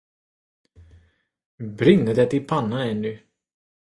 Brinner det i pannan ännu?